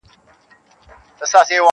o دا حلال به لا تر څو پر موږ حرام وي,